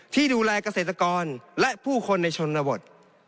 ที่ดูแลเกษตรกรและผู้คนในชนบท